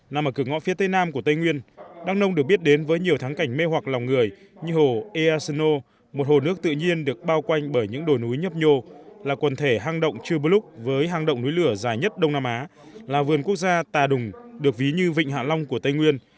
nằm ở cửa ngõ phía tây nam của tây nguyên đắk nông được biết đến với nhiều tháng cảnh mê hoặc lòng người như hồ ea sơn nô một hồ nước tự nhiên được bao quanh bởi những đồi núi nhấp nhô là quần thể hang động chư bước lúc với hang động núi lửa dài nhất đông nam á là vườn quốc gia tà đùng được ví như vịnh hạ long của tây nguyên